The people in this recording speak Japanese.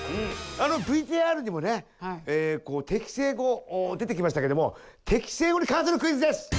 あのＶＴＲにもね敵性語出てきましたけども敵性語に関するクイズです！